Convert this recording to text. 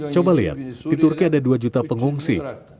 coba lihat di turki ada dua juta pengungsi